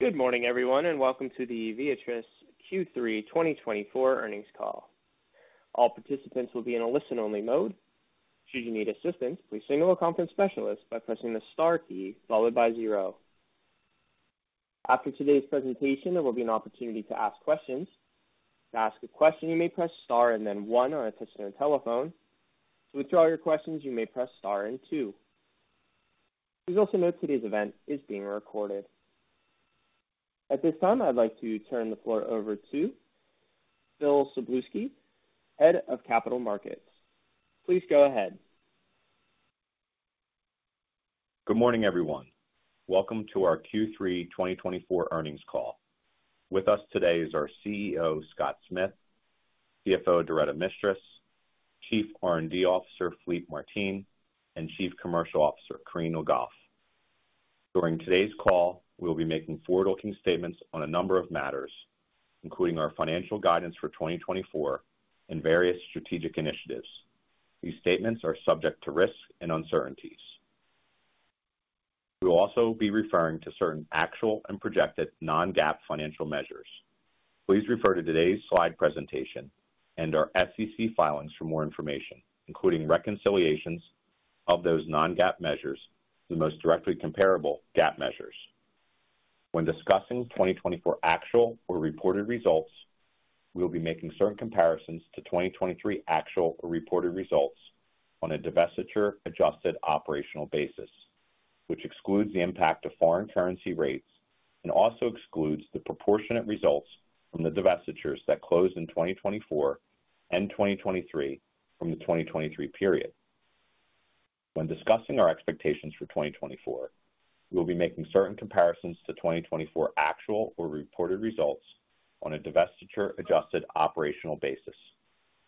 Good morning, everyone, and welcome to the Viatris Q3 2024 earnings call. All participants will be in a listen-only mode. Should you need assistance, please signal a conference specialist by pressing the star key followed by zero. After today's presentation, there will be an opportunity to ask questions. To ask a question, you may press star and then one on a touch-tone telephone. To withdraw your questions, you may press star and two. Please also note today's event is being recorded. At this time, I'd like to turn the floor over to Bill Szablewski, Head of Capital Markets. Please go ahead. Good morning, everyone. Welcome to our Q3 2024 earnings call. With us today is our CEO, Scott Smith, CFO, Doretta Mistras, Chief R&D Officer, Philippe Martin, and Chief Commercial Officer, Corinne Le Goff. During today's call, we'll be making forward-looking statements on a number of matters, including our financial guidance for 2024 and various strategic initiatives. These statements are subject to risk and uncertainties. We'll also be referring to certain actual and projected Non-GAAP financial measures. Please refer to today's slide presentation and our SEC filings for more information, including reconciliations of those Non-GAAP measures to the most directly comparable GAAP measures. When discussing 2024 actual or reported results, we'll be making certain comparisons to 2023 actual or reported results on a divestiture-adjusted operational basis, which excludes the impact of foreign currency rates and also excludes the proportionate results from the divestitures that closed in 2024 and 2023 from the 2023 period. When discussing our expectations for 2024, we'll be making certain comparisons to 2024 actual or reported results on a divestiture-adjusted operational basis,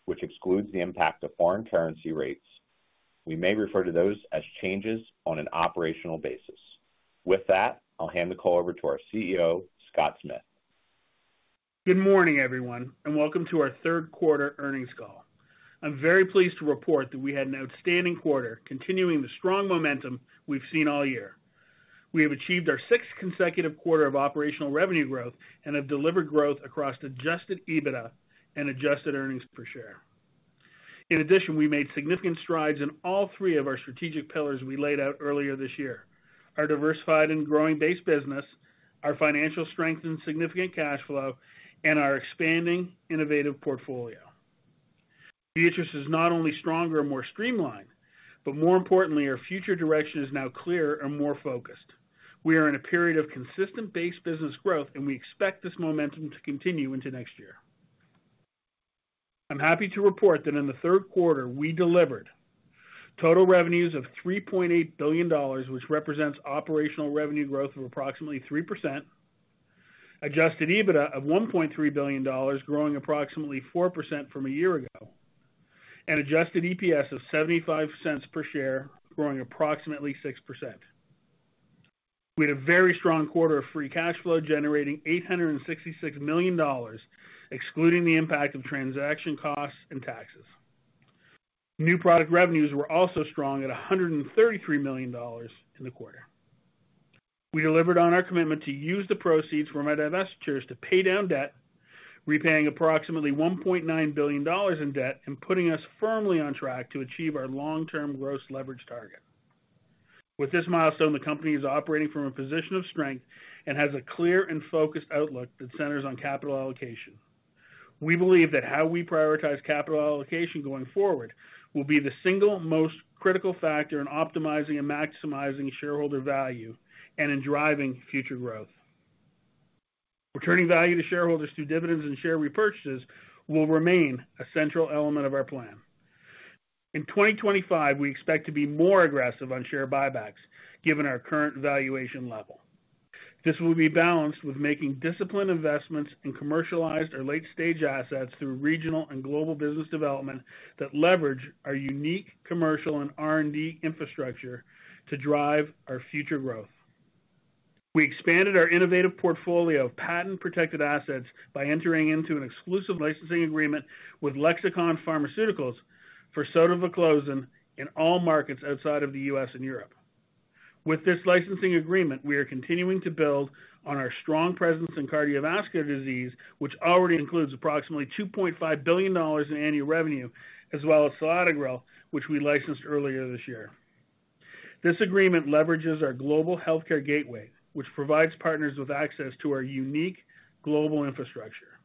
which excludes the impact of foreign currency rates. We may refer to those as changes on an operational basis. With that, I'll hand the call over to our CEO, Scott Smith. Good morning, everyone, and welcome to our third quarter earnings call. I'm very pleased to report that we had an outstanding quarter, continuing the strong momentum we've seen all year. We have achieved our sixth consecutive quarter of operational revenue growth and have delivered growth across adjusted EBITDA and adjusted earnings per share. In addition, we made significant strides in all three of our strategic pillars we laid out earlier this year: our diversified and growing base business, our financial strength and significant cash flow, and our expanding innovative portfolio. Viatris is not only stronger and more streamlined, but more importantly, our future direction is now clearer and more focused. We are in a period of consistent base business growth, and we expect this momentum to continue into next year. I'm happy to report that in the third quarter, we delivered total revenues of $3.8 billion, which represents operational revenue growth of approximately 3%, adjusted EBITDA of $1.3 billion, growing approximately 4% from a year ago, and adjusted EPS of $0.75 per share, growing approximately 6%. We had a very strong quarter of free cash flow generating $866 million, excluding the impact of transaction costs and taxes. New product revenues were also strong at $133 million in the quarter. We delivered on our commitment to use the proceeds from our divestitures to pay down debt, repaying approximately $1.9 billion in debt and putting us firmly on track to achieve our long-term gross leverage target. With this milestone, the company is operating from a position of strength and has a clear and focused outlook that centers on capital allocation. We believe that how we prioritize capital allocation going forward will be the single most critical factor in optimizing and maximizing shareholder value and in driving future growth. Returning value to shareholders through dividends and share repurchases will remain a central element of our plan. In 2025, we expect to be more aggressive on share buybacks given our current valuation level. This will be balanced with making disciplined investments in commercialized or late-stage assets through regional and global business development that leverage our unique commercial and R&D infrastructure to drive our future growth. We expanded our innovative portfolio of patent-protected assets by entering into an exclusive licensing agreement with Lexicon Pharmaceuticals for sotagliflozin in all markets outside of the U.S. and Europe. With this licensing agreement, we are continuing to build on our strong presence in cardiovascular disease, which already includes approximately $2.5 billion in annual revenue, as well as selatogrel, which we licensed earlier this year. This agreement leverages our Global Healthcare Gateway, which provides partners with access to our unique global infrastructure.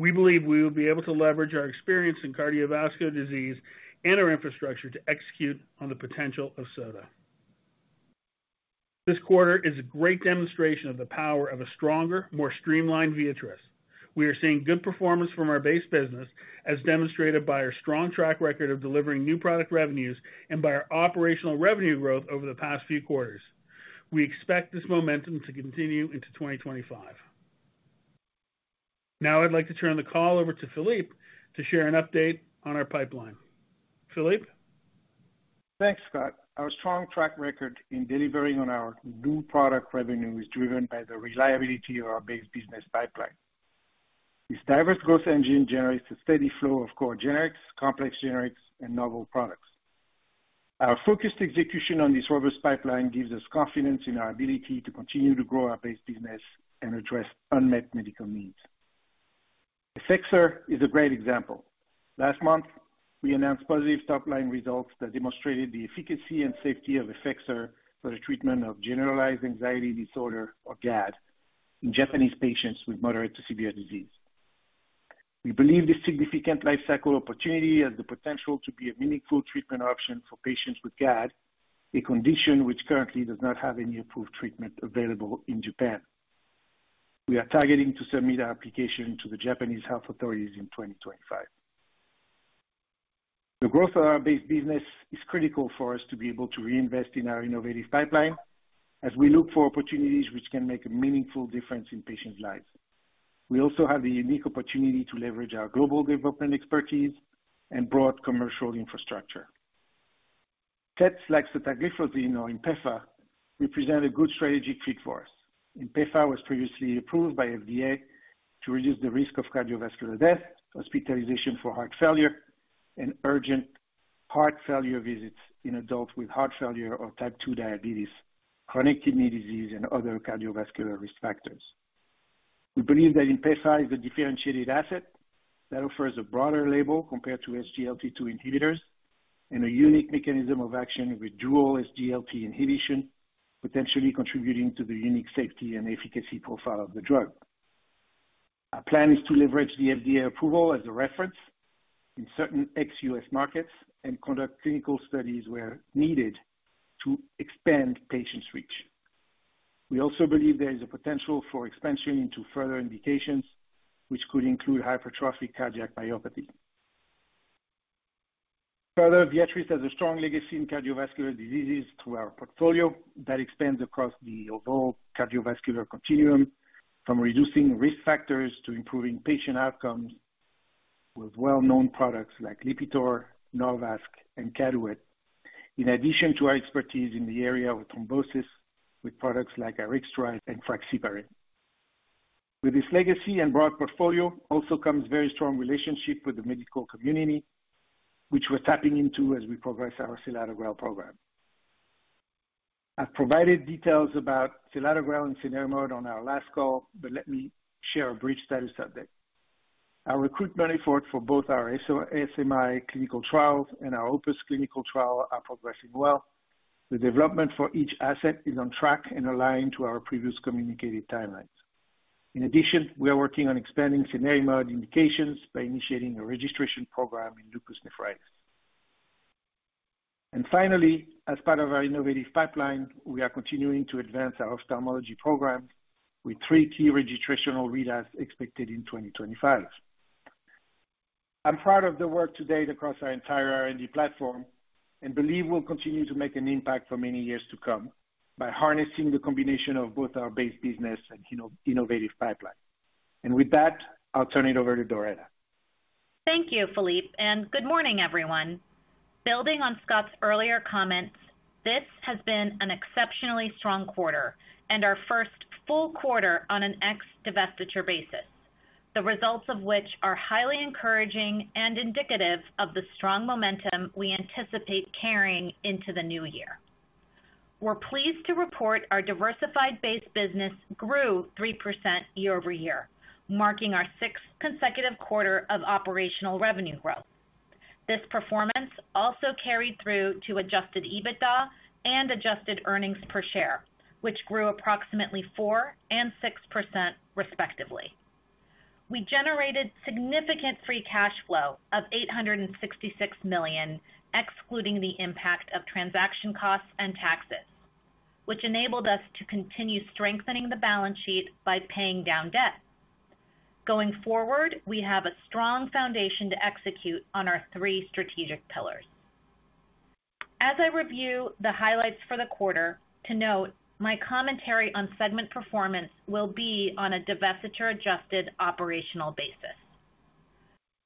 We believe we will be able to leverage our experience in cardiovascular disease and our infrastructure to execute on the potential of sotagliflozin. This quarter is a great demonstration of the power of a stronger, more streamlined Viatris. We are seeing good performance from our base business, as demonstrated by our strong track record of delivering new product revenues and by our operational revenue growth over the past few quarters. We expect this momentum to continue into 2025. Now, I'd like to turn the call over to Philippe to share an update on our pipeline. Philippe. Thanks, Scott. Our strong track record in delivering on our new product revenue is driven by the reliability of our base business pipeline. This diverse growth engine generates a steady flow of core generics, complex generics, and novel products. Our focused execution on this robust pipeline gives us confidence in our ability to continue to grow our base business and address unmet medical needs. Efexor is a great example. Last month, we announced positive top-line results that demonstrated the efficacy and safety of Efexor for the treatment of generalized anxiety disorder, or GAD, in Japanese patients with moderate to severe disease. We believe this significant life-cycle opportunity has the potential to be a meaningful treatment option for patients with GAD, a condition which currently does not have any approved treatment available in Japan. We are targeting to submit our application to the Japanese health authorities in 2025. The growth of our base business is critical for us to be able to reinvest in our innovative pipeline as we look for opportunities which can make a meaningful difference in patients' lives. We also have the unique opportunity to leverage our global development expertise and broad commercial infrastructure. Products like sotagliflozin or Inpefa represent a good strategic fit for us. Inpefa was previously approved by FDA to reduce the risk of cardiovascular death, hospitalization for heart failure, and urgent heart failure visits in adults with heart failure or type 2 diabetes, chronic kidney disease, and other cardiovascular risk factors. We believe that Inpefa is a differentiated asset that offers a broader label compared to SGLT2 inhibitors and a unique mechanism of action with dual SGLT inhibition, potentially contributing to the unique safety and efficacy profile of the drug. Our plan is to leverage the FDA approval as a reference in certain ex-U.S. markets and conduct clinical studies where needed to expand patient reach. We also believe there is a potential for expansion into further indications, which could include hypertrophic cardiomyopathy. Further, Viatris has a strong legacy in cardiovascular diseases through our portfolio that expands across the overall cardiovascular continuum, from reducing risk factors to improving patient outcomes with well-known products like Lipitor, Norvasc, and Caduet, in addition to our expertise in the area of thrombosis with products like Arixtra and Fraxiparine. With this legacy and broad portfolio also comes a very strong relationship with the medical community, which we're tapping into as we progress our selatogrel program. I've provided details about selatogrel and cenerimod on our last call, but let me share a brief status update. Our recruitment effort for both our SOS-AMI clinical trials and our OPUS clinical trial are progressing well. The development for each asset is on track and aligned to our previous communicated timelines. In addition, we are working on expanding cenerimod indications by initiating a registration program in lupus nephritis. And finally, as part of our innovative pipeline, we are continuing to advance our ophthalmology programs with three key registrational readouts expected in 2025. I'm proud of the work to date across our entire R&D platform and believe we'll continue to make an impact for many years to come by harnessing the combination of both our base business and innovative pipeline. And with that, I'll turn it over to Doretta. Thank you, Philippe, and good morning, everyone. Building on Scott's earlier comments, this has been an exceptionally strong quarter and our first full quarter on an ex-divestiture basis, the results of which are highly encouraging and indicative of the strong momentum we anticipate carrying into the new year. We're pleased to report our diversified base business grew 3% year-over-year, marking our sixth consecutive quarter of operational revenue growth. This performance also carried through to adjusted EBITDA and adjusted earnings per share, which grew approximately 4% and 6% respectively. We generated significant free cash flow of $866 million, excluding the impact of transaction costs and taxes, which enabled us to continue strengthening the balance sheet by paying down debt. Going forward, we have a strong foundation to execute on our three strategic pillars. As I review the highlights for the quarter, to note, my commentary on segment performance will be on a divestiture-adjusted operational basis.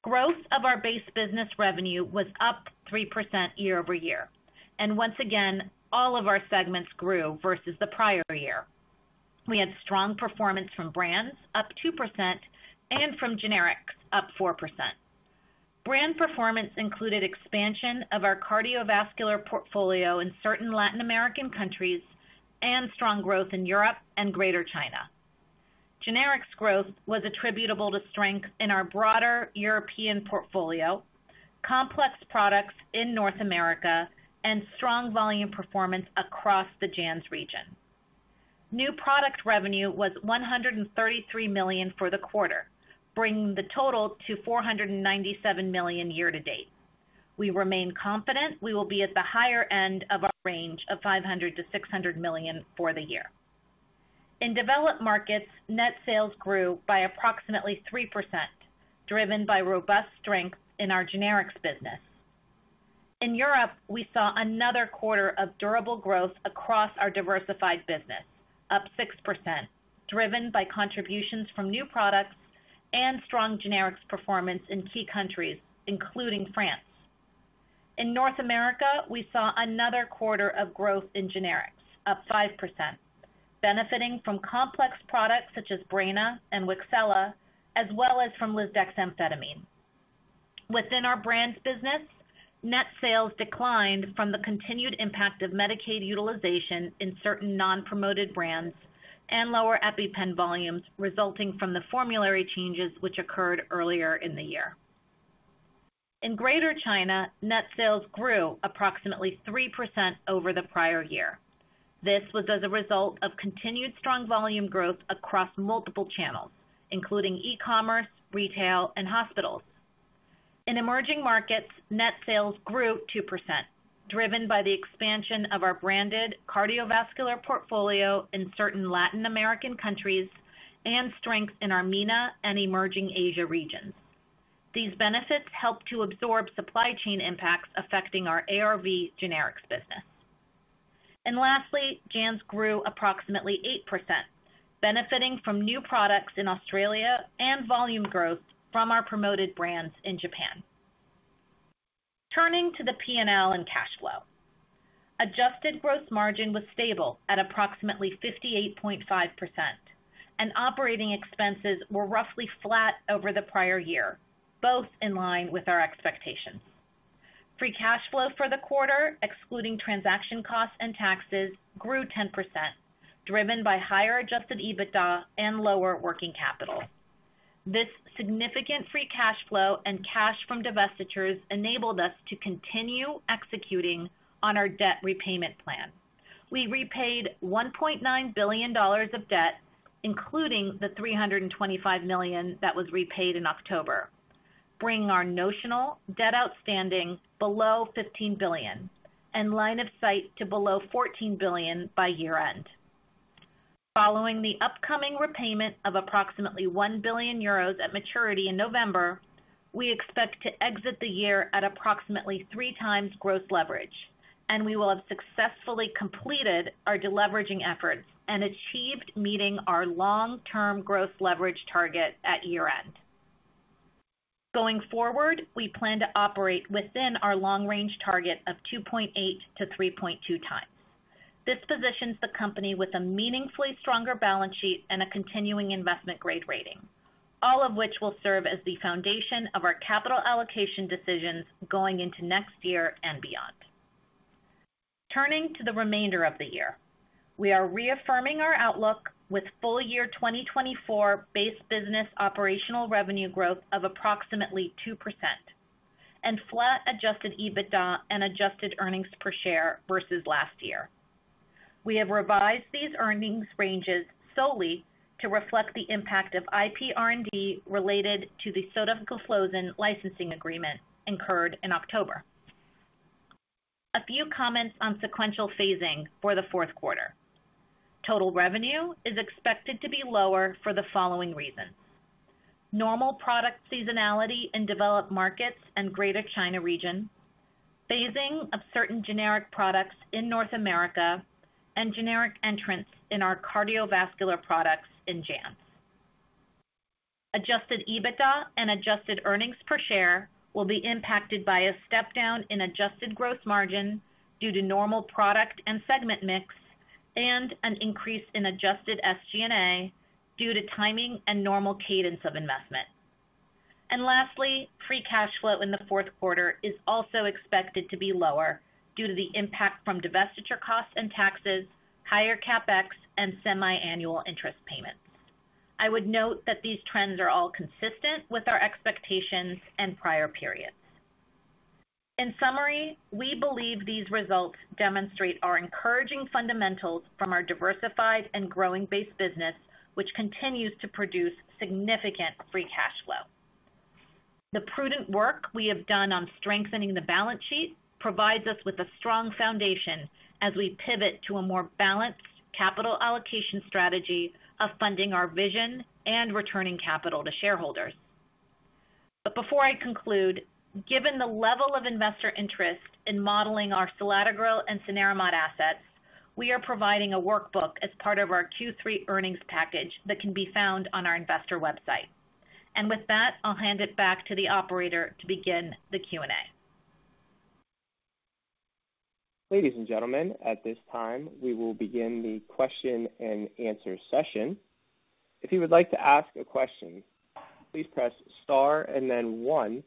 Growth of our base business revenue was up 3% year-over-year, and once again, all of our segments grew versus the prior year. We had strong performance from brands, up 2%, and from generics, up 4%. Brand performance included expansion of our cardiovascular portfolio in certain Latin American countries and strong growth in Europe and Greater China. Generics growth was attributable to strength in our broader European portfolio, complex products in North America, and strong volume performance across the JANZ region. New product revenue was $133 million for the quarter, bringing the total to $497 million year to date. We remain confident we will be at the higher end of our range of $500 million-$600 million for the year. In developed markets, net sales grew by approximately 3%, driven by robust strength in our generics business. In Europe, we saw another quarter of durable growth across our diversified business, up 6%, driven by contributions from new products and strong generics performance in key countries, including France. In North America, we saw another quarter of growth in generics, up 5%, benefiting from complex products such as Breyna and Wixela, as well as from lisdexamfetamine. Within our brands business, net sales declined from the continued impact of Medicaid utilization in certain non-promoted brands and lower EpiPen volumes resulting from the formulary changes which occurred earlier in the year. In Greater China, net sales grew approximately 3% over the prior year. This was as a result of continued strong volume growth across multiple channels, including e-commerce, retail, and hospitals. In emerging markets, net sales grew 2%, driven by the expansion of our branded cardiovascular portfolio in certain Latin American countries and strength in Armenia and emerging Asia regions. These benefits helped to absorb supply chain impacts affecting our ARV generics business. And lastly, JANZ grew approximately 8%, benefiting from new products in Australia and volume growth from our promoted brands in Japan. Turning to the P&L and cash flow, adjusted gross margin was stable at approximately 58.5%, and operating expenses were roughly flat over the prior year, both in line with our expectations. Free cash flow for the quarter, excluding transaction costs and taxes, grew 10%, driven by higher adjusted EBITDA and lower working capital. This significant free cash flow and cash from divestitures enabled us to continue executing on our debt repayment plan. We repaid $1.9 billion of debt, including the $325 million that was repaid in October, bringing our notional debt outstanding below $15 billion and line of sight to below $14 billion by year-end. Following the upcoming repayment of approximately 1 billion euros at maturity in November, we expect to exit the year at approximately three times gross leverage, and we will have successfully completed our deleveraging efforts and achieved meeting our long-term gross leverage target at year-end. Going forward, we plan to operate within our long-range target of 2.8-3.2x. This positions the company with a meaningfully stronger balance sheet and a continuing investment-grade rating, all of which will serve as the foundation of our capital allocation decisions going into next year and beyond. Turning to the remainder of the year, we are reaffirming our outlook with full year 2024 base business operational revenue growth of approximately 2% and flat adjusted EBITDA and adjusted earnings per share versus last year. We have revised these earnings ranges solely to reflect the impact of IPR&D related to the sotagliflozin licensing agreement incurred in October. A few comments on sequential phasing for the fourth quarter. Total revenue is expected to be lower for the following reasons: normal product seasonality in developed markets and Greater China region, phasing of certain generic products in North America, and generic entrants in our cardiovascular products in JANZ. Adjusted EBITDA and adjusted earnings per share will be impacted by a step-down in adjusted gross margin due to normal product and segment mix, and an increase in adjusted SG&A due to timing and normal cadence of investment. Lastly, free cash flow in the fourth quarter is also expected to be lower due to the impact from divestiture costs and taxes, higher CapEx, and semi-annual interest payments. I would note that these trends are all consistent with our expectations and prior periods. In summary, we believe these results demonstrate our encouraging fundamentals from our diversified and growing base business, which continues to produce significant free cash flow. The prudent work we have done on strengthening the balance sheet provides us with a strong foundation as we pivot to a more balanced capital allocation strategy of funding our vision and returning capital to shareholders. Before I conclude, given the level of investor interest in modeling our selatogrel and cenerimod assets, we are providing a workbook as part of our Q3 earnings package that can be found on our investor website. With that, I'll hand it back to the operator to begin the Q&A. Ladies and gentlemen, at this time, we will begin the question-and-answer session. If you would like to ask a question, please press star and then one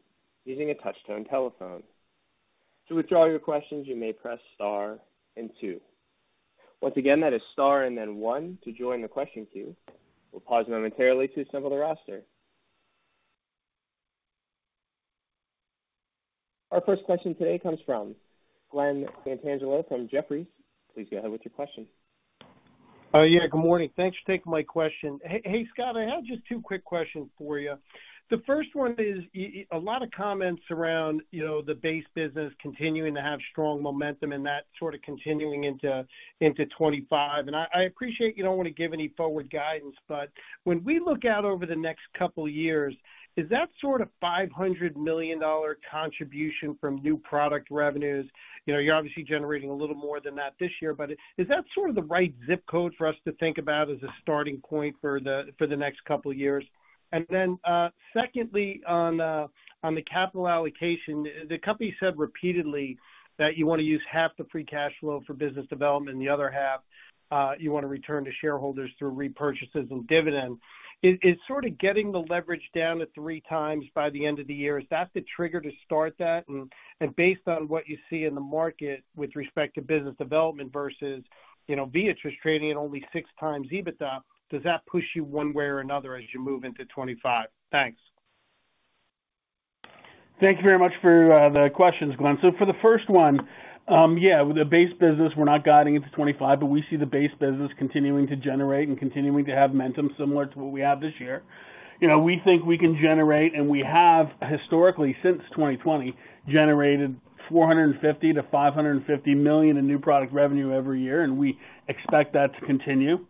using a touch-tone telephone. To withdraw your questions, you may press star and two. Once again, that is star and then one to join the question queue. We'll pause momentarily to assemble the roster. Our first question today comes from Glen Santangelo from Jefferies. Please go ahead with your question. Yeah, good morning. Thanks for taking my question. Hey, Scott, I have just two quick questions for you. The first one is a lot of comments around the base business continuing to have strong momentum and that sort of continuing into 2025. And I appreciate you don't want to give any forward guidance, but when we look out over the next couple of years, is that sort of $500 million contribution from new product revenues? You're obviously generating a little more than that this year, but is that sort of the right zip code for us to think about as a starting point for the next couple of years? And then secondly, on the capital allocation, the company said repeatedly that you want to use half the free cash flow for business development and the other half you want to return to shareholders through repurchases and dividends. Is sort of getting the leverage down to three times by the end of the year, is that the trigger to start that? And based on what you see in the market with respect to business development versus Viatris trading at only six times EBITDA, does that push you one way or another as you move into 2025? Thanks. Thank you very much for the questions, Glen. So for the first one, yeah, with the base business, we're not guiding into 2025, but we see the base business continuing to generate and continuing to have momentum similar to what we have this year. We think we can generate, and we have historically, since 2020, generated $450 million-$550 million in new product revenue every year, and we expect that to continue.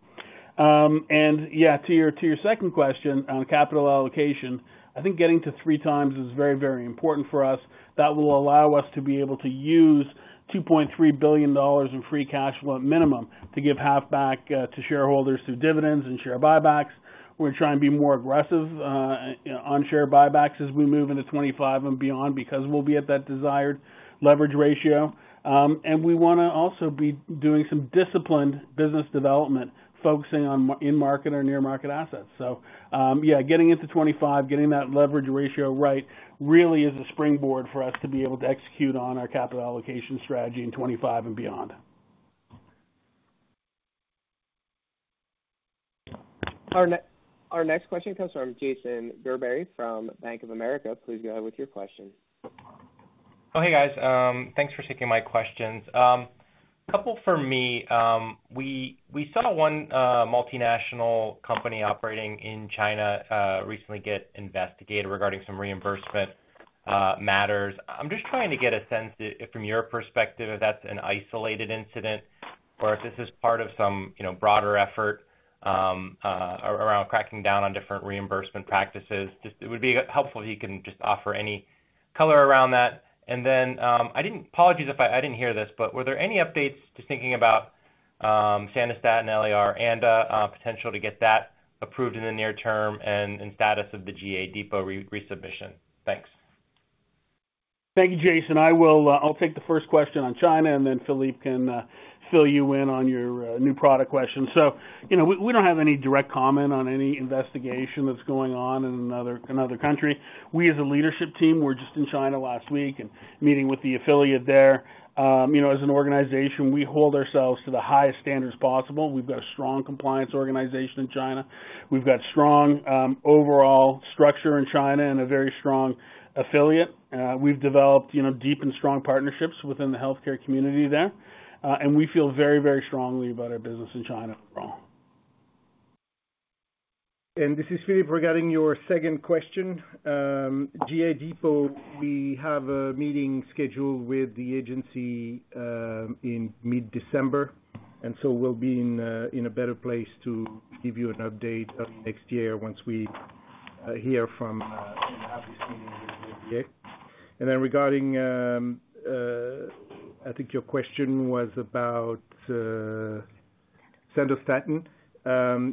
And yeah, to your second question on capital allocation, I think getting to three times is very, very important for us. That will allow us to be able to use $2.3 billion in free cash flow at minimum to give half back to shareholders through dividends and share buybacks. We're trying to be more aggressive on share buybacks as we move into 2025 and beyond because we'll be at that desired leverage ratio. We want to also be doing some disciplined business development focusing on in-market or near-market assets. Yeah, getting into 2025, getting that leverage ratio right really is a springboard for us to be able to execute on our capital allocation strategy in 2025 and beyond. Our next question comes from Jason Gerberry from Bank of America. Please go ahead with your question. Oh, hey, guys. Thanks for taking my questions. A couple for me. We saw one multinational company operating in China recently get investigated regarding some reimbursement matters. I'm just trying to get a sense from your perspective if that's an isolated incident or if this is part of some broader effort around cracking down on different reimbursement practices. It would be helpful if you can just offer any color around that. And then I didn't, apologies if I didn't hear this, but were there any updates to thinking about Sandostatin LAR and potential to get that approved in the near term and status of the GA Depot resubmission? Thanks. Thank you, Jason. I'll take the first question on China, and then Philippe can fill you in on your new product question. We don't have any direct comment on any investigation that's going on in another country. We, as a leadership team, were just in China last week and meeting with the affiliate there. As an organization, we hold ourselves to the highest standards possible. We've got a strong compliance organization in China. We've got strong overall structure in China and a very strong affiliate. We've developed deep and strong partnerships within the healthcare community there. We feel very, very strongly about our business in China overall. This is Philippe regarding your second question. GA Depot, we have a meeting scheduled with the agency in mid-December. So we'll be in a better place to give you an update next year once we have this meeting with FDA. Then regarding, I think your question was about Sandostatin.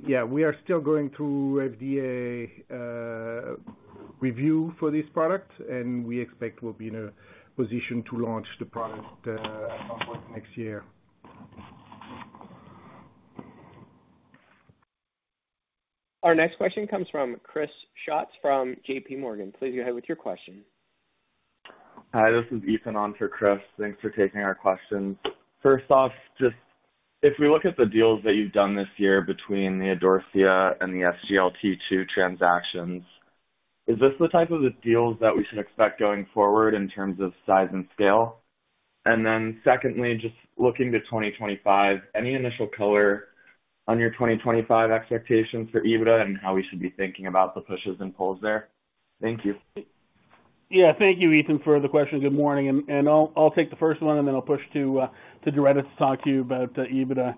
Yeah, we are still going through FDA review for this product, and we expect we'll be in a position to launch the product at some point next year. Our next question comes from Chris Schott from JPMorgan. Please go ahead with your question. Hi, this is Ethan on for Chris. Thanks for taking our questions. First off, just if we look at the deals that you've done this year between the Idorsia and the SGLT2 transactions, is this the type of deals that we should expect going forward in terms of size and scale? And then secondly, just looking to 2025, any initial color on your 2025 expectations for EBITDA and how we should be thinking about the pushes and pulls there? Thank you. Yeah, thank you, Ethan, for the question. Good morning, and I'll take the first one, and then I'll push to direct us to talk to you about EBITDA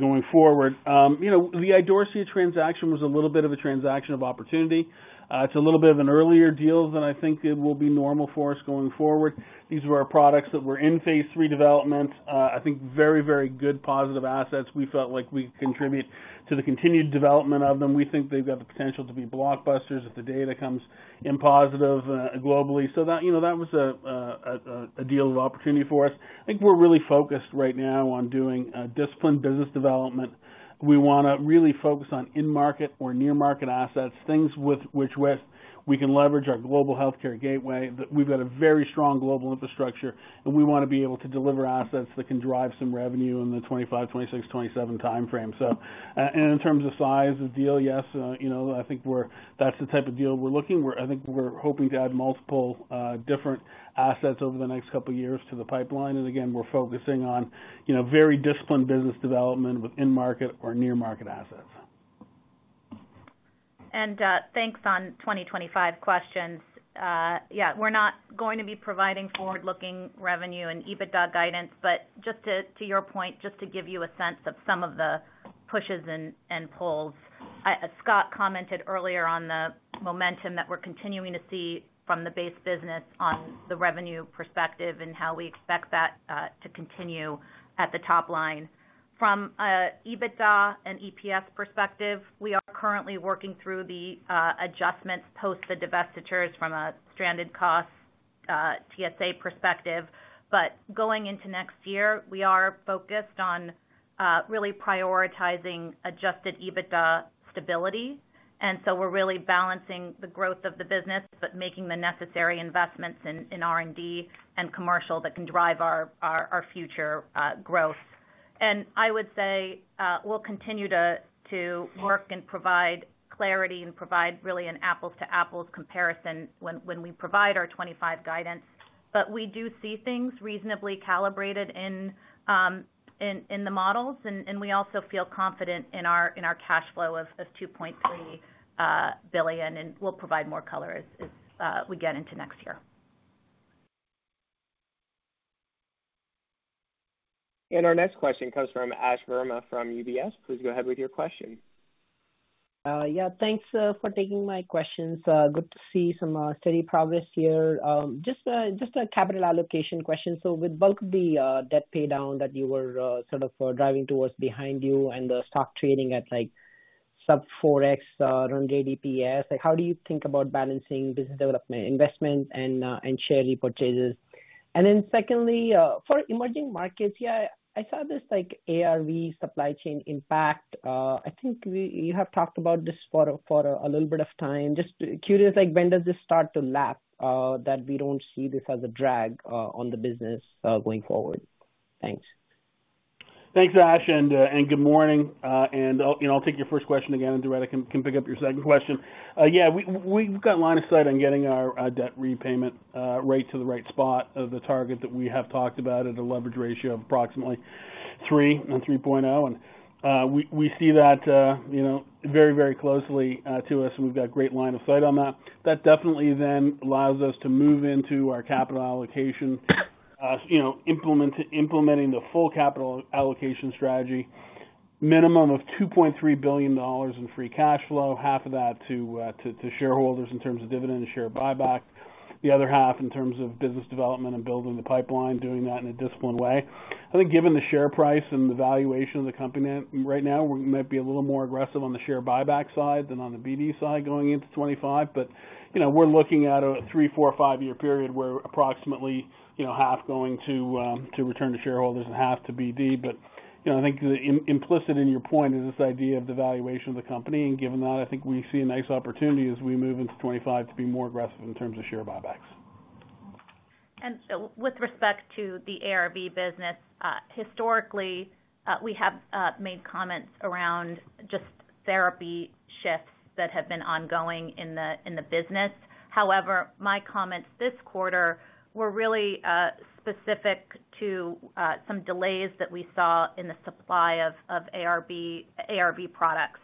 going forward. The Idorsia transaction was a little bit of a transaction of opportunity. It's a little bit of an earlier deal than I think it will be normal for us going forward. These were our products that were in phase three development. I think very, very good positive assets. We felt like we could contribute to the continued development of them. We think they've got the potential to be blockbusters if the data comes in positive globally. So that was a deal of opportunity for us. I think we're really focused right now on doing disciplined business development. We want to really focus on in-market or near-market assets, things with which we can leverage our Global Healthcare Gateway. We've got a very strong global infrastructure, and we want to be able to deliver assets that can drive some revenue in the 2025, 2026, 2027 timeframe. So in terms of size of deal, yes, I think that's the type of deal we're looking. I think we're hoping to add multiple different assets over the next couple of years to the pipeline, and again, we're focusing on very disciplined business development with in-market or near-market assets. Thanks on 2025 questions. Yeah, we're not going to be providing forward-looking revenue and EBITDA guidance, but just to your point, just to give you a sense of some of the pushes and pulls. Scott commented earlier on the momentum that we're continuing to see from the base business on the revenue perspective and how we expect that to continue at the top line. From an EBITDA and EPS perspective, we are currently working through the adjustments post the divestitures from a stranded cost TSA perspective. Going into next year, we are focused on really prioritizing adjusted EBITDA stability. So we're really balancing the growth of the business, but making the necessary investments in R&D and commercial that can drive our future growth. I would say we'll continue to work and provide clarity and provide really an apples-to-apples comparison when we provide our 2025 guidance. But we do see things reasonably calibrated in the models, and we also feel confident in our cash flow of $2.3 billion. And we'll provide more color as we get into next year. And our next question comes from Ash Verma from UBS. Please go ahead with your question. Yeah, thanks for taking my questions. Good to see some steady progress here. Just a capital allocation question. So with bulk of the debt paydown that you were sort of driving towards behind you and the stock trading at sub-4X, run rate EPS, how do you think about balancing business development investments and share repurchases? And then secondly, for emerging markets, yeah, I saw this ARV supply chain impact. I think you have talked about this for a little bit of time. Just curious, when does this start to lap that we don't see this as a drag on the business going forward? Thanks. Thanks, Ash. And good morning. And I'll take your first question again and directly can pick up your second question. Yeah, we've got line of sight on getting our debt repayment rate to the right spot of the target that we have talked about at a leverage ratio of approximately 3 and 3.0. And we see that very, very closely to us, and we've got a great line of sight on that. That definitely then allows us to move into our capital allocation, implementing the full capital allocation strategy, minimum of $2.3 billion in free cash flow, $1.15 billion to shareholders in terms of dividend and share buyback, the other $1.15 billion in terms of business development and building the pipeline, doing that in a disciplined way. I think given the share price and the valuation of the company right now, we might be a little more aggressive on the share buyback side than on the BD side going into 2025. But we're looking at a three, four, five-year period where approximately half going to return to shareholders and half to BD. But I think implicit in your point is this idea of the valuation of the company. And given that, I think we see a nice opportunity as we move into 2025 to be more aggressive in terms of share buybacks. With respect to the ARV business, historically, we have made comments around just therapy shifts that have been ongoing in the business. However, my comments this quarter were really specific to some delays that we saw in the supply of ARV products.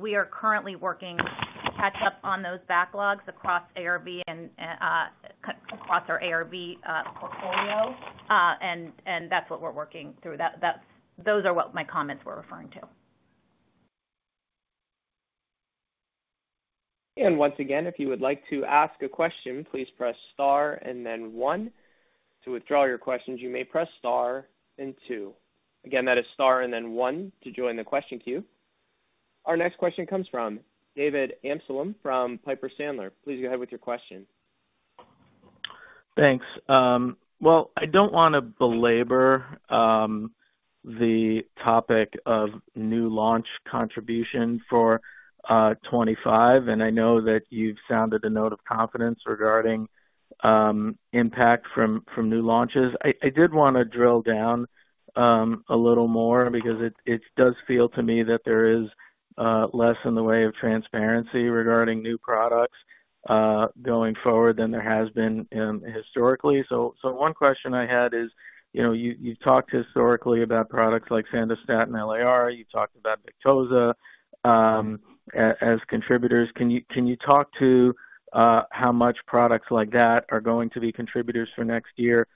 We are currently working to catch up on those backlogs across our ARV portfolio. That's what we're working through. Those are what my comments were referring to. And once again, if you would like to ask a question, please press star and then one. To withdraw your questions, you may press star and two. Again, that is star and then one to join the question queue. Our next question comes from David Amsellem from Piper Sandler. Please go ahead with your question. Thanks. Well, I don't want to belabor the topic of new launch contribution for 2025. And I know that you've sounded a note of confidence regarding impact from new launches. I did want to drill down a little more because it does feel to me that there is less in the way of transparency regarding new products going forward than there has been historically. So one question I had is you've talked historically about products like Sandostatin LAR. You talked about Victoza as contributors. Can you talk to how much products like that are going to be contributors for next year?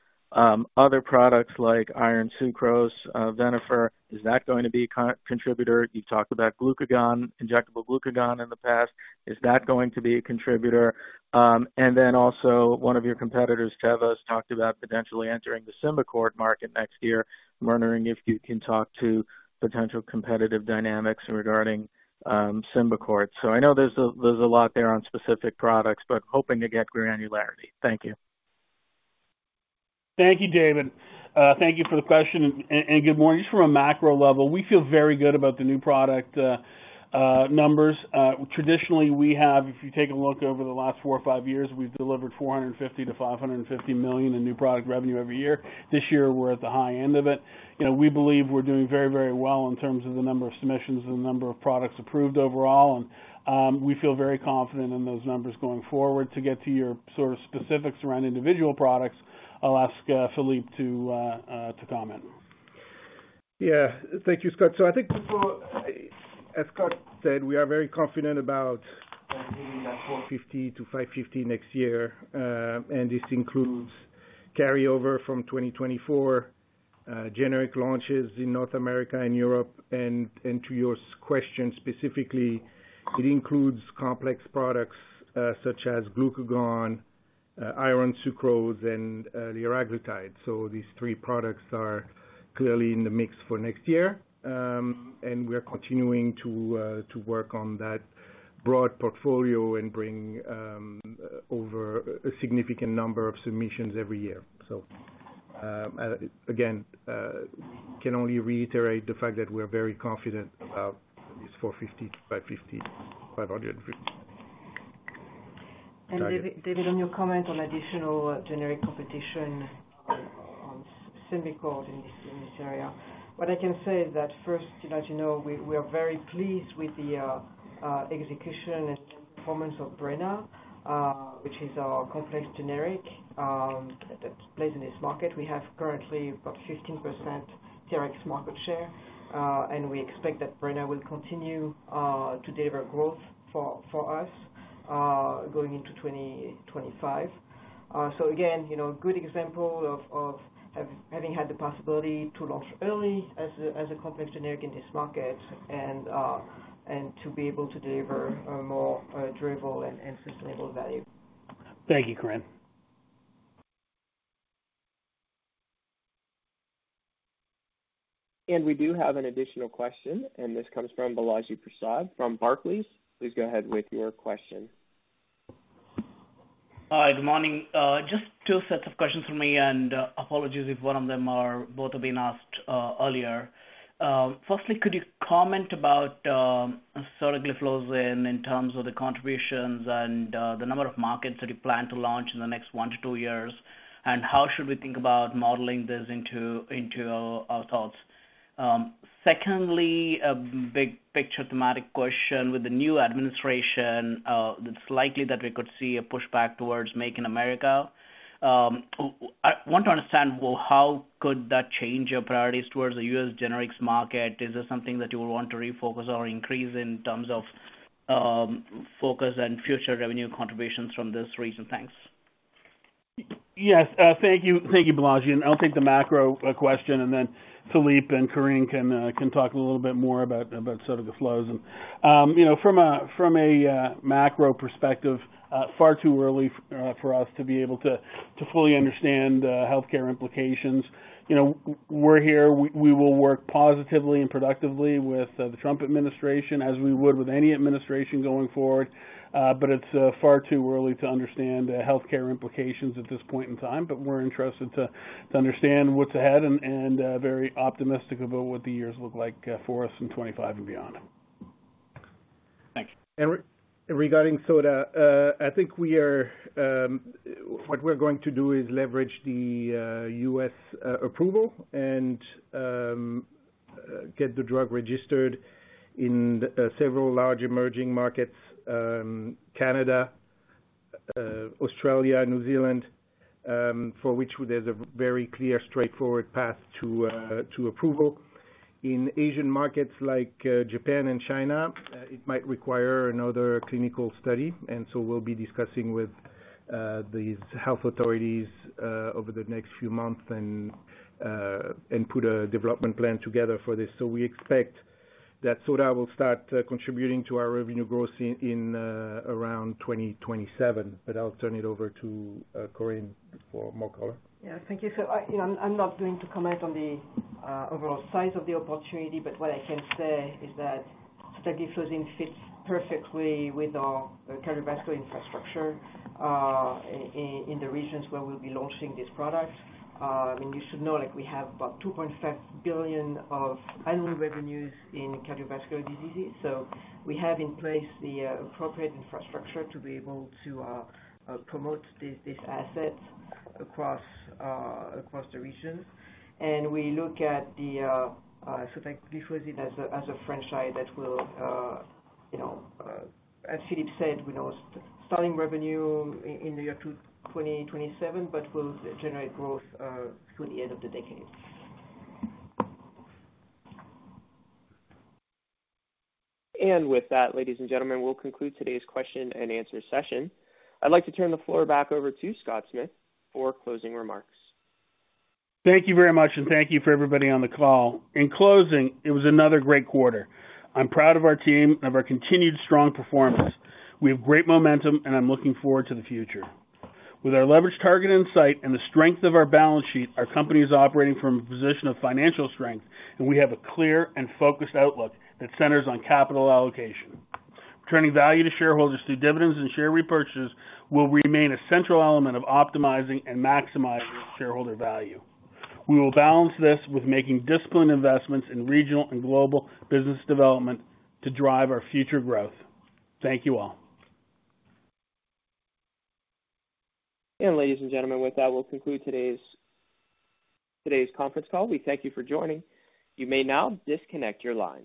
Other products like iron sucrose, Venofer, is that going to be a contributor? You've talked about glucagon, injectable glucagon in the past. Is that going to be a contributor? And then also one of your competitors, Teva, talked about potentially entering the Symbicort market next year. I'm wondering if you can talk to potential competitive dynamics regarding Symbicort? So I know there's a lot there on specific products, but hoping to get granularity. Thank you. Thank you, David. Thank you for the question. And good morning. Just from a macro level, we feel very good about the new product numbers. Traditionally, we have, if you take a look over the last four or five years, we've delivered $450 million-$550 million in new product revenue every year. This year, we're at the high end of it. We believe we're doing very, very well in terms of the number of submissions and the number of products approved overall. And we feel very confident in those numbers going forward. To get to your sort of specifics around individual products, I'll ask Philippe to comment. Yeah. Thank you, Scott. So I think, as Scott said, we are very confident about meeting that 450-550 next year. And this includes carryover from 2024, generic launches in North America and Europe. And to your question specifically, it includes complex products such as glucagon, iron sucrose, and liraglutide. So these three products are clearly in the mix for next year. And we're continuing to work on that broad portfolio and bring over a significant number of submissions every year. So again, can only reiterate the fact that we're very confident about these 450-550, 500. David, on your comment on additional generic competition on Symbicort in this area, what I can say is that first, to let you know, we are very pleased with the execution and performance of Breyna, which is our complex generic that plays in this market. We have currently about 15% TRx market share, and we expect that Breyna will continue to deliver growth for us going into 2025. Again, a good example of having had the possibility to launch early as a complex generic in this market and to be able to deliver more durable and sustainable value. Thank you, Corinne. We do have an additional question, and this comes from Balaji Prasad from Barclays. Please go ahead with your question. Hi, good morning. Just two sets of questions for me, and apologies if one of them are both have been asked earlier. Firstly, could you comment about sotagliflozin in terms of the contributions and the number of markets that you plan to launch in the next one to two years, and how should we think about modeling this into our thoughts? Secondly, a big picture thematic question. With the new administration, it's likely that we could see a pushback towards Make in America. I want to understand how could that change your priorities towards the U.S. generics market? Is there something that you would want to refocus or increase in terms of focus and future revenue contributions from this region? Thanks. Yes. Thank you, Balaji. And I'll take the macro question, and then Philippe and Corinne can talk a little bit more about sotagliflozin. From a macro perspective, far too early for us to be able to fully understand healthcare implications. We're here. We will work positively and productively with the Trump administration as we would with any administration going forward. But it's far too early to understand healthcare implications at this point in time. But we're interested to understand what's ahead and very optimistic about what the years look like for us in 2025 and beyond. Thanks. Regarding SOTA, I think what we're going to do is leverage the U.S. approval and get the drug registered in several large emerging markets: Canada, Australia, New Zealand, for which there's a very clear, straightforward path to approval. In Asian markets like Japan and China, it might require another clinical study. And so we'll be discussing with these health authorities over the next few months and put a development plan together for this. We expect that sotagliflozin will start contributing to our revenue growth in around 2027. I'll turn it over to Corinne for more color. Yeah. Thank you. So I'm not going to comment on the overall size of the opportunity, but what I can say is that sotagliflozin fits perfectly with our cardiovascular infrastructure in the regions where we'll be launching this product. I mean, you should know we have about $2.5 billion of annual revenues in cardiovascular diseases. So we have in place the appropriate infrastructure to be able to promote this asset across the region. And we look at sotagliflozin as a franchise that will, as Philippe said, we know starting revenue in the year 2027, but will generate growth through the end of the decade. And with that, ladies and gentlemen, we'll conclude today's question and answer session. I'd like to turn the floor back over to Scott Smith for closing remarks. Thank you very much, and thank you for everybody on the call. In closing, it was another great quarter. I'm proud of our team and of our continued strong performance. We have great momentum, and I'm looking forward to the future. With our leverage target in sight and the strength of our balance sheet, our company is operating from a position of financial strength, and we have a clear and focused outlook that centers on capital allocation. Returning value to shareholders through dividends and share repurchases will remain a central element of optimizing and maximizing shareholder value. We will balance this with making disciplined investments in regional and global business development to drive our future growth. Thank you all. Ladies and gentlemen, with that, we'll conclude today's conference call. We thank you for joining. You may now disconnect your line.